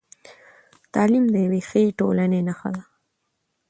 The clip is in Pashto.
تعلیم د یوې ښې ټولنې نښه ده.